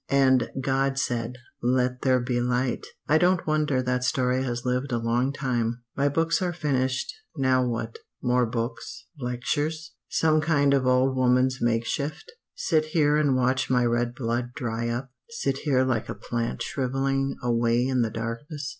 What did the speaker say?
'And God said Let there be light' I don't wonder that story has lived a long time. "My books are finished. Now what? more books? lectures? some kind of old woman's make shift? Sit here and watch my red blood dry up? Sit here like a plant shrivelling away in the darkness?